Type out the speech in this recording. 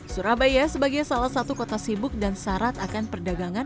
surabaya sebagai salah satu kota sibuk dan syarat akan perdagangan